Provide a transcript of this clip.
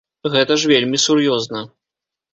Гэта ж вельмі сур'ёзна.